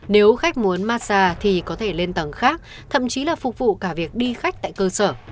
nếu khách muốn massage thì có thể lên tầng khác thậm chí là phục vụ cả việc đi khách tại cơ sở